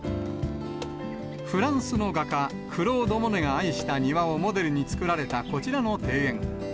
フランスの画家、クロード・モネが愛した庭をモデルに造られたこちらの庭園。